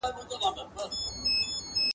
که زندان که پنجره وه نس یې موړ وو ..